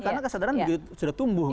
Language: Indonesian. karena kesadaran sudah tumbuh